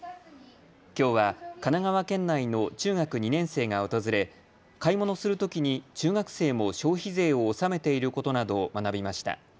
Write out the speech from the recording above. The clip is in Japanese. きょうは神奈川県内の中学２年生が訪れ買い物するときに中学生も消費税を納めていることなどを学びました。